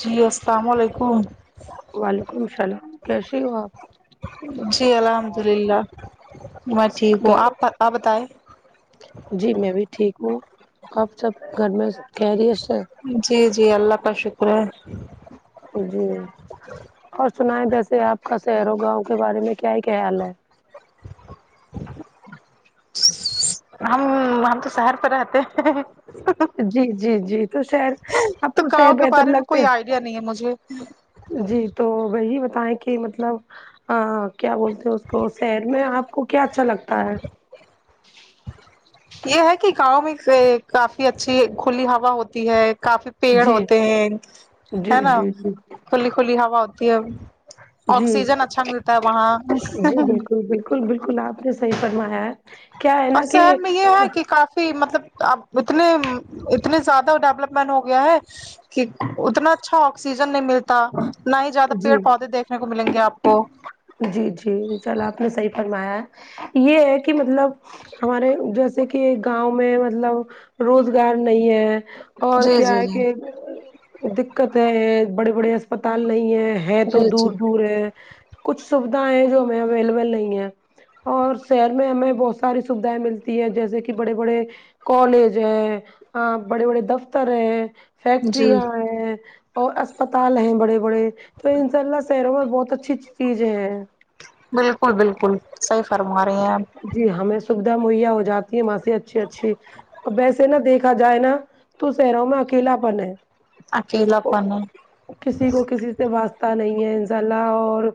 جی السلام علیکم وعلیکم السلام کیسے ہو آپ جی الحمد للہ میں ٹھیک ہوں آپ آپ بتائیں جی میں بھی ٹھیک ہوں آپ سب گھر میں خریت سے جی جی اللہ کا شکر ہے جی اور سنائیے ویسے آپ کا شہر و گاؤں کے بارے میں کیا ہی خیال ہے ہم ہم تو شہر پر رہتے ہیں جی جی جی تو شہر آپ تو کو شہر گاؤں کے بہتر بارے میں لگتے کوئی ہیں نہیں ہے مجھے جی تو وہی بتائیں کہ مطلب ہاں کیا بولتے ہیں اس کو شہر میں آپ کو کیا اچھا لگتا ہے یہ ہے کہ گاؤں میں کافی اچھی کھلی ہوا ہوتی ہے کافی پیڑ جی ہوتے ہیں ہے جی نا جی جی کھلی کھلی ہوا ہوتی ہے جی آکسیجن اچھا ملتا ہے وہاں جی بالکل بالکل بالکل آپ نے صحیح فرمایا ہے کیا ہے اور نا کہ شہر میں یہ ہے کہ کافی مطلب اب اتنے اتنے زیادہ ڈیولپمنٹ ہو گیا ہے کہ اتنا اچھا آکسیجن نہیں ملتا نہ ہی زیادہ جی پیڑ پودے دیکھنے کو ملیں گے آپ کو جی جی چلو آپ نے صحیح فرمایا ہے یہ ہے کہ مطلب ہمارے جیسے کہ گاؤں میں مطلب روزگار نہیں ہے اور جی کیا جی ہے جی کہ دقت ہے بڑے بڑے اسپتال نہیں ہے ہے تو جی دور جی دور ہے کچھ سویدھا ہے جو ہمیں اویلیبل نہیں ہے اور شہر میں ہمیں بہت ساری سویدھائیں ملتی ہیں جیسے کہ بڑے بڑے کالج ہے بڑے بڑے دفتر ہیں جی فیکٹریاں ہیں اور اسپتال ہیں بڑے بڑے تو انشاء اللہ شہروں میں بہت اچھی اچھی چیز ہیں بالکل بالکل صحیح فرما رہے ہیں آپ جی ہمیں سویدھا مہیا ہو جاتی ہے وہاں سے اچھی اچھی ا ویسے نا دیکھا جائے نا تو شہروں میں اکیلاپن ہے اکیلا پن ہے کسی کو کسی سے واسطہ نہیں ہے انشاء اللہ اور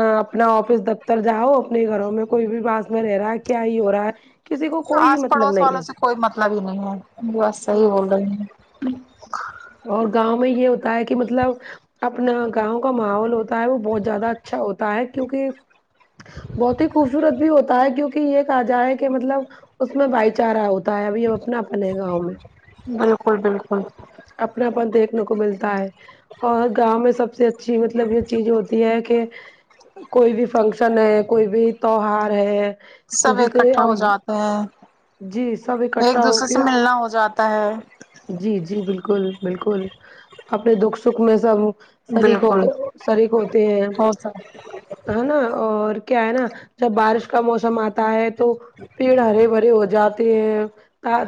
اپنا آفس دفتر جاؤ اپنے گھروں میں کوئی بھی پاس میں رہ رہا ہے کیا ہی ہو رہا ہے کسی کو کوئی ہی آس مطلب پڑوس نہیں والوں سے کوئی مطلب ہی نہیں ہے بس صحیح ہے بول رہی ہیں اور گاؤں میں یہ ہوتا ہے کہ مطلب اپنا گاؤں کا ماحول ہوتا ہے وہ بہت زیادہ اچھا ہوتا ہے کیونکہ بہت ہی خوبصورت بھی ہوتا ہے کیونکہ یہ کہا جائے کہ مطلب اس میں بھائی چارہ ہوتا ہے ابھی یہ اپنا اپنے گاؤں میں بالکل بالکل اپناپن دیکھنے کو ملتا ہے اور گاؤں میں سب سے اچھی مطلب یہ چیز ہوتی ہے کہ کوئی بھی فنکشن ہے کوئی بھی تہوار ہے سب جسے اکٹھا ہم ہو جاتے ہیں جی سب ایک اکٹھا ہو دوسرے کے سے ملنا ہو جاتا ہے جی جی بالکل بالکل اپنے دکھ سکھ میں سب شریک ہو بالکل کے شریک ہوتے ہیں ہو سک ہے نا اور کیا ہے نا جب بارش کا موسم آتا ہے تو پیڑ ہرے بھرے ہو جاتے ہیں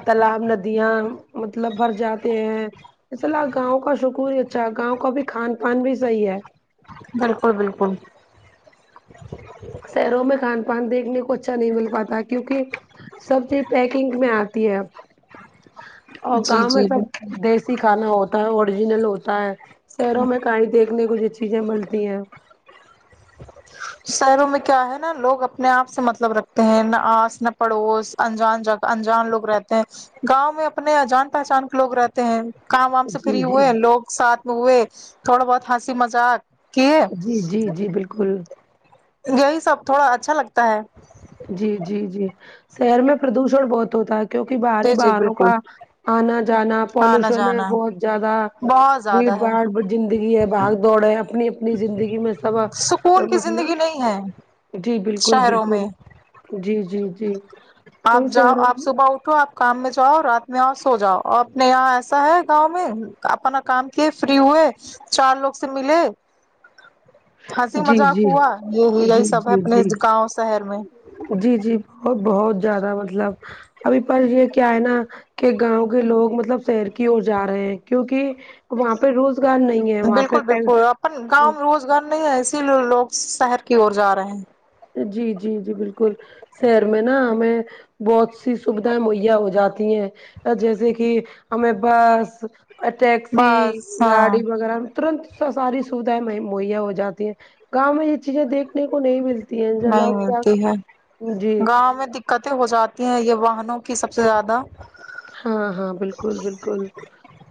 تالاب ندیاں مطلب بھر جاتے ہیں اصل گاؤں کا شکون ہی اچھا گاؤں کا بھی کھان پان بھی صحیح ہے بالکل بالکل شہروں میں کھان پان دیکھنے کو اچھا نہیں مل پاتا کیونکہ سب چیز پیکنگ میں آتی ہے اب اور جی گاؤں میں جی جی سب دیسی کھانا ہوتا ہے اوریجنل ہوتا ہے شہروں میں کیں دیکھنے کو جو چیزیں ملتی ہیں شہروں میں کیا ہے نا لوگ اپنے آپ سے مطلب رکھتے ہیں نہ آس نہ پڑوس انجان جگہ انجان لوگ رہتے ہیں گاؤں میں اپنے جان پہچان کے لوگ رہتے ہیں کام وام سے جی فری جی ہوئے لوگ ساتھ میں ہوئے تھوڑا بہت ہنسی مذاق کی جی جی جی بالکل یہی سب تھوڑا اچھا لگتا ہے جی جی جی شہر میں پردوشن بہت ہوتا ہے کیونکہ باہری جی جی باہروں بالکل کا آنا جانا آنا پالوشن ہے جانا بہت زیادہ بہت بھیڑ زیادہ ہے بھاڑ زندگی ہے باگ دوڑ ہے اپنی اپنی زندگی میں سب سکون کی مطلب زندگی نہیں ہے جی بالکل شہروں بالکل میں جی جی جی آپ ابھی سے جاؤ رہا آپ صبح ہوں اٹھو آپ کام میں جاؤ رات میں آؤ سو جاؤ اپنے یہاں ایسا ہے گاؤں میں اپنا کام کیے فری ہوئے چار لوگ سے ملے ہنسی جی مذاق جی ہوا یہی جی یہی سب ہے جی اپنے جی گاؤں شہر میں جی جی بہت بہت زیادہ مطلب ابھی پر یہ کیا ہے نا کہ گاؤں کے لوگ مطلب شہر کی اور جا رہے ہیں کیونکہ وہاں پہ روزگار نہیں ہے وہاں بالکل پہن بالکل گاؤں میں روزگار نہیں ہے اسی لیے لوگ شہر کی اور جا رہے ہیں جی جی جی بالکل شہر میں نا ہمیں بہت سی سویدھائیں مہیا ہو جاتی ہیں جیسے کہ ہمیں بس ٹیکسی بس ہاں گاڑی وغیرہ میں تورنت ساری سویدھائیں مہیا ہو جاتی ہیں گاؤں میں یہ چیزیں دیھکنے کو نہیں ملتی ہیں جلا نہیں کیا ملتی ہے جی گاؤں میں قطع ہو جاتی ہیں یہ واہنوں کی سب سے زیادہ ہاں ہاں بالکل بالکل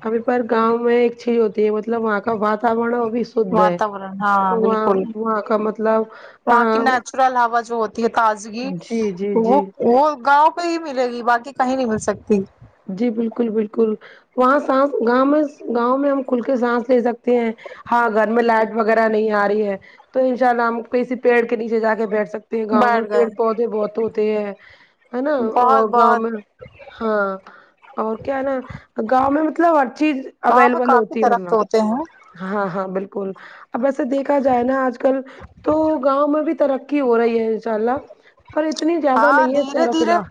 ابھی پر گاؤں میں ایک چیز ہوتی ہے مطلب وہاں کا بات [unintelligible] بھی شدھ ہے واتاورن ہاں وہ بالکل وہاں کا مطلب نچرل ہوا جو ہوتی ہے تازگی جی جی وہ جی وہ گاؤں پہ ہی ملے گی باقی کہیں نہیں مل سکتی جی بالکل بالکل وہاں سانس گاؤں میں گاؤں میں ہم کھل کے سانس لے سکتے ہیں ہاں گھر میں لائٹ وغیرہ نہیں آ رہی ہے تو ان شاء اللہ ہم کسی پیڑ کے نیچے جا کے بیٹھ سکتے گاؤں میں بیٹھ گئے پیڑ پودے بہت ہوتے ہیں ہے نا بہت اور گاؤں بہت میں ہاں اور کیا ہے نا گاؤں میں مطلب ہر چیز گاؤں میں اویلیبل کافی ہوتی ہے درخت مطلب ہوتے ہیں ہاں ہاں بالکل اب ایسے دیکھا جائے نا آج کل تو گاؤں میں بھی ترقی ہو رہی ہے ان شاء اللہ پر اتنی زیادہ ہاں نہیں ہے دھیرے سیر و دھیرے قعہ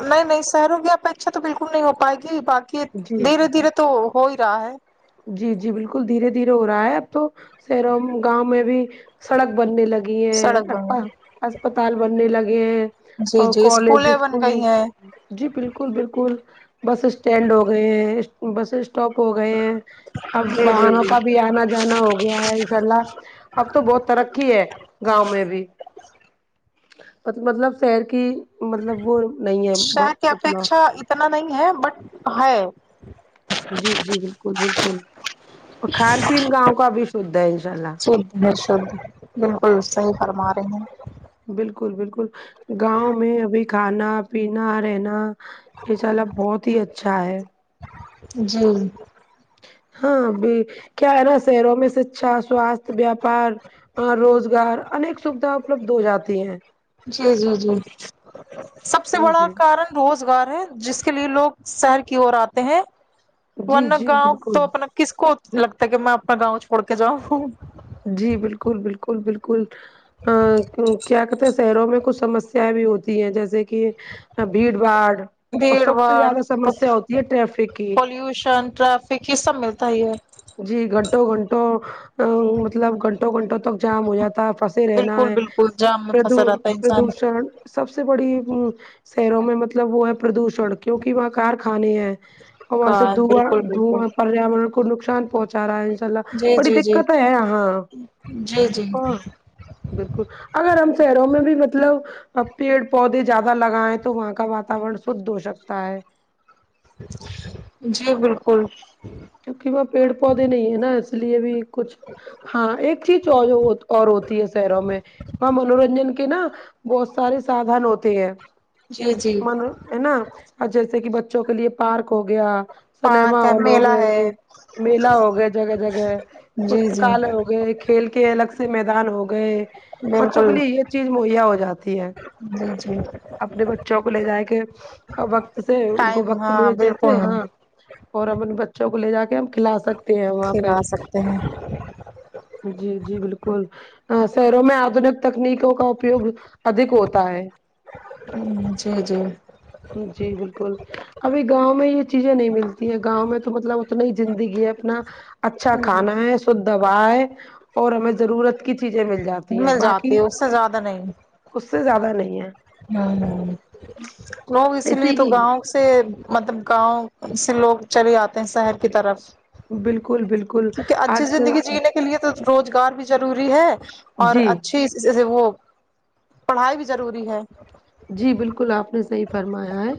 نہیں نہیں شہروں کی اپیچھا تو بالکل نہیں ہو پائے گی باقی جی دھیرے دھیرے تو ہو ہی رہا ہے جی جی بالکل دھیرے دھیرے ہو رہا ہے اب تو سیروں گاؤں میں بھی سڑک بننے لگی ہے سڑک بن گئی اسسپتال بننے لگے ہیں جی اور جی کالج اسکولیں بن اسکول گئی ہیں جی بالکل بالکل بس اسٹینڈ ہو گئے ہیں بس اسٹاپ ہو گئے ہیں اب جی جی واہنوں جی کا بھی آنا جانا ہوگا گیا ہے ان شاء اللہ اب تو بہت ترقی ہے گاؤں میں بھی مطلب شہر کی مطلب وہ نہیں ہے شہر کی مطلب اپیکشا اتنا نہیں ہے بٹ ہے جی جی بالکل بالکل اور کھان پین گاؤں کا بھی شدھ ہے انشاء اللہ بیشک بالکل صحیح فرما رہی ہیں بالکل بالکل گاؤں میں ابھی کھانا پینا رہنا یہ سارا بہت ہی اچھا ہے جی ہاں ابھی کیا ہے نا شہروں میں شکھا سواستھ ویاپار روزگار انیک سویدھا اپلبدھ ہو جاتی ہیں جی جی جی سب سے بڑا جی کارن روزگار ہے جس کے لیے لوگ شہر کی اور آتے ہیں جی ورنہ جی گاؤں بالکل تو اپنا کس کو لگتا ہے کہ میں اپنا گاؤں چھوڑ کے جاؤں جی بالکل بالکل بالکل کیا کہتے ہیں شہروں میں کچھ سمس بھی ہوتی ہیں جیسے کہ بھیڑ باڑ بھیڑ بھاڑ ٹریفک کی پپولوشن ٹرافک یہ سب ملتا ہی ہے جی گھنٹوں گھنٹوں مطلب گھنٹوں گھنٹوں تک جام ہو جاتا فس تے رہنا بالکل ہے بالکل جام میں پرد پھنسا رہتا ہے انسان پردوشن سب سے بڑی شہروں میں مطلب وہ ہے پردوشن کیونکی وہاں کارخانے ہیں اور وہاں سے ہاں دھواں بالکل بالکل دھواں پریاوارن کو نقصان نقصان پہنچا رہا ہے ان شاء اللہ جی بڑی جی جی دککت ہے یہاں جی جی اور بالکل اگر ہم شہروں میں بھی مطلب پیڑ پودے زیادہ لگائیں تو وہاں کا واتاورن شدھ ہو سکتا ہے جی بالکل کیونکہ وہاں پیڑ پودے نہیں ہے نا اس لیے بھی کچھ ہاں ایک چیز اور ہوتی ہے شہروں میں وہاں منورنجن کے نا بہت سارے سادھن ہوتے ہیں جی جی ہے نا جیسے کہ بچوں کے لیے پارک ہو گیا سنیما پارک ہے ہال ہو میلہ گیا گئے ہے میلا ہو گئے جگہ جگہ جی جی پستکالے ہو گئے کھیل کے الگ سے میدان ہو گئے بچوں کے بالکل لیے یہ چیز مہیا ہو جاتی ہے جی جی اپنے بچوں کو لے جا کے وقت سے ان کو ٹائم وقت ہاں ملے جیسے بالکل ہاں اور اپنے بچوں کو لے جا کے ہم کھلا سکتے ہیں وہاں پھر پہ آ سکتے ہیں جی جی بالکل شہروں میں آدنک تکنیکوں کا اپیوگ ادک ہوتا ہے ھمم جی جی جی بالکل ابھی گاؤں میں یہ چیزیں نہیں ملتی ہے گاؤں میں تو مطلب اتنا ہی زندگی ہے اپنا اچھا کھانا مل ہے شودھ ہوا ہے اور ہمیں ضرورت کی چیزیں مل جاتی ہیں جاتی باقی ہے اس سے زیادہ اس سے زیادہ نہیں ہے ھمم لوگ اسی ایسے لیے تو ہی گاؤں سے مطلب گاؤں سے لوگ چلے آتے ہیں شہر کی طرف بالکل بالکل کیونکہ اچھی آج کل زندگی جینے کے لیے تو روزگار بھی ضروری ہے اور جی اچھی اس سے وہ پڑھائی بھی ضروری ہے جی بالکل آپ نے صحیح فرمایا ہے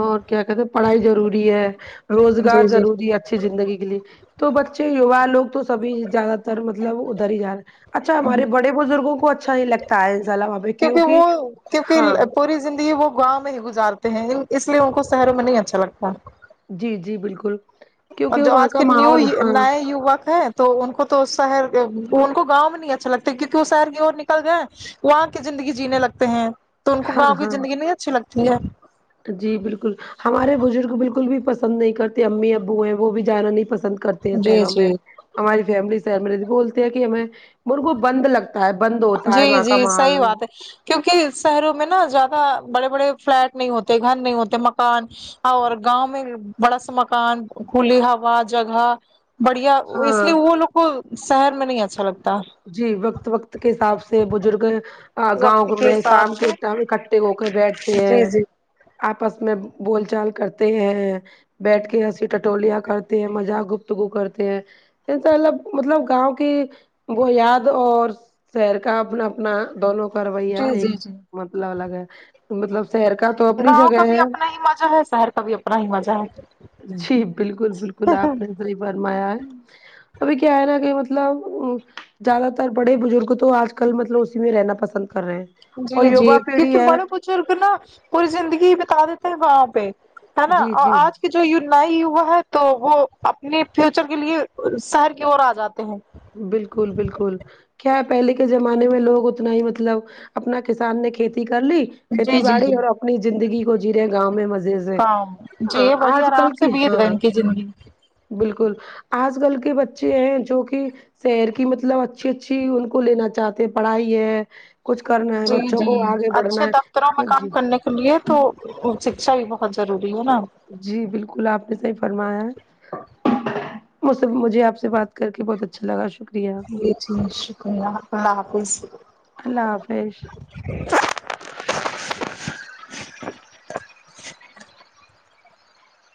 اور کیا کہتے ہیں پڑھائی ضروری ہے روزگار جی جی ضروری ہے اچھی زندگی کے لیے تو بچے یوا لوگ تو سبھی زیادہ تر مطلب ادھر ہی جا رہے ہیں اچھا ہمارے بڑے بزرگوں کو اچھا ہی لگتا ہے کیوںکہ کیونکہ وہ ہاں کیونکہ پوری زندگی وہ گاؤں میں ہی گزا رتے ہیں اس لیے ان کو شہروں میں نہیں اچھا لگتا جی جی بالکل اور کیونکہ جو وہاں آج کا کے نیو ماحول ہاں نئے یووک ہیں تو ان کو تو شہر ان کو گاؤں میں نہیں اچھا لگتا کیونکہ وہ شہر کی اور نکل گئے ہیں وہاں کی زندگی جینے لگتے ہیں تو ان کو ہاں گاؤں کی ہاں زندگی نہیں اچھی لگتی ہے جی بالکل ہمارے بزرگ بالکل بھی پسند نہیں کرتے امی ابو ہیں وہ بھی جانا نہیں پسند کرتے ہیں جی شہروں میں جی ہماری فیملی شہر میں بولتے ہیں کہ ہمیں انکو بند لگتا ہے بند ہوتا ہے وہاں کا ماحول کیونکی شہروں میں نا زیادہ بڑے بڑے فلیٹ نہیں ہوتے گھر نہیں ہوتے مکان اور گاؤں میں بڑا سا مکان کھلی ہوا جگہ بڑھیا اس لیے ہاں وہ لوگ کو شہر میں نہیں اچھا لگتا جی وقت وقت کے حساب سے بزرگ وقت گاؤں کے میں حساب شام کے سے ٹم اکٹھے ہو کے بیٹھتے ہیں جی جی آپس میں بول چال کرتے ہیں بیٹھ کے ہسی ٹاٹولیاں کرتے ہیں مذاق گفتگو کرتے ہیں مطلب مطلب گاؤں کی وہ یاد اور شہر کا اپنا اپنا دونوں کاراویہ جی ایک جی جی مطلب الگ ہے مطلب شہر کا تو اپنی گاؤں کا جگہ بھی ہے اپنا ہی مزہ ہے شہر کا بھی اپنا ہی مزہ ہے جی بالکل بالکل آپ نے صحیح فرمایا ہے ابھی کیا ہے نا کے مطلب ا زیادہ تر بڑے بزرگ تو آج کل مطلب اسی میں رہنا پسند کر رہے ہیں اور جی جی یوا پیڑھی کیونکہ ہے بڑے نا پوری زندگی بتا دیتے ہیں وہاں پہ ہے نا جی اور جی آج کہ جو یگنایوگ ہے تو وہ اپنے فیوچر کے لیے شہر کی اور آ جاتے ہیں بالکل بالکل کیا پہلے کے زمانے میں لوگ اتنا ہی مطلب اپنا کسان نے کھیتی کر لی کھیتی جی جی باڑی جی اور اپنی زندگی کو جییرے گاؤں میں مزے سے آج کل کی سفید ہاں بن کی زندگی بالکل آج کل کے بچے ہیں جو کہ شہر کی مطلب اچھی اچھی ان کو لینا چاہتے ہیں پڑھائی ہے کچھ کرنا ہے جی بچوں جی کو آگے اچھے بڑھنا دفتروں میں ہے جی کام کرنے کے لیے تو شکشا بھی بہت ضروری ہے نا جی بالکل آپ نے صحیح فرمایا ہے وہ سب مجھے آپ سے بات کر کے بہت اچھا لگا ش جی جی شکریہ اللہ حافظ اللہ حافظ